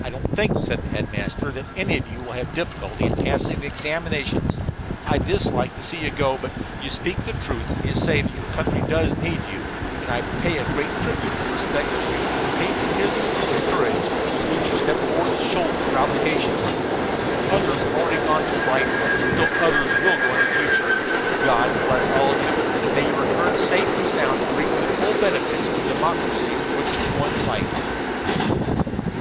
"I don't think," said the headmaster, "that any of you will have difficulty passing the examinations. I dislike to see you go, but you speak the truth when you say that your country does need you, and I pay a great tribute of respect to you for the patriotism and courage with which you step forth to shoulder your obligations. Others already have gone from Brighton. Still others will go in the future. God bless all of you, and may you return safe and sound to reap the full benefits of the democracy for which you are going to fight."